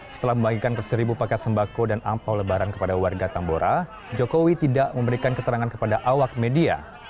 setelah membagikan seribu paket sembako dan ampau lebaran kepada warga tambora jokowi tidak memberikan keterangan kepada awak media